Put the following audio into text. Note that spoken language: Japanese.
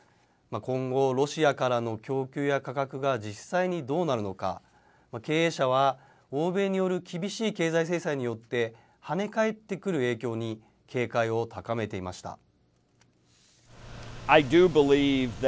今後、ロシアからの供給や価格が実際にどうなるのか、経営者は、欧米による厳しい経済制裁によって、跳ね返ってくる影響に警戒を高めていました。